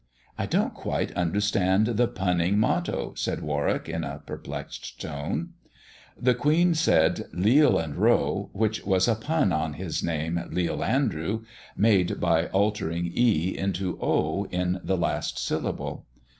"I don't quite understand the punning motto," said Warwick, in a perplexed tone. " The Queen said * Leal and row,' which was a pun on his name, * Leal Andrew,' made by altering ' e ' into * o ' in the last syllable.